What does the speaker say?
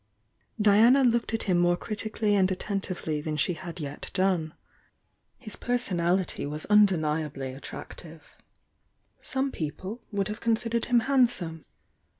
Diana looked at him more critically and atten tively than she had yet done. His personality was undeniably attractive, — some people would have considered him handsome.